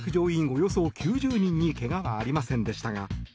およそ９０人に怪我はありませんでしたが